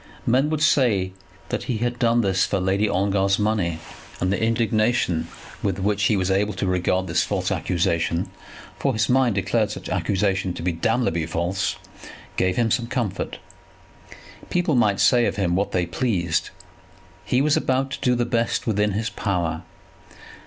Men would say that he had done this for Lady Ongar's money; and the indignation with which he was able to regard this false accusation, for his mind declared such accusation to be damnably false, gave him some comfort. People might say of him what they pleased. He was about to do the best within his power.